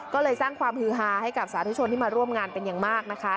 ก็เลยสร้างความฮือฮาให้กับสาธุชนที่มาร่วมงานเป็นอย่างมากนะคะ